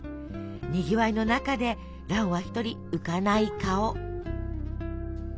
にぎわいの中で蘭は一人浮かない顔。